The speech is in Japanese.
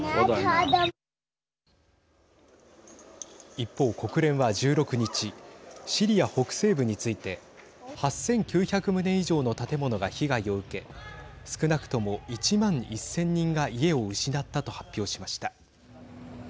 一方、国連は１６日シリア北西部について８９００棟以上の建物が被害を受け少なくとも１万１０００人が家を失ったと発表しました。